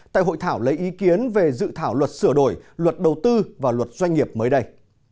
tại hội thảo lấy ý kiến về dự thảo luật sửa đổi luật đầu tư và luật doanh nghiệp mới đây